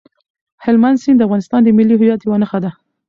هلمند سیند د افغانستان د ملي هویت یوه نښه ده.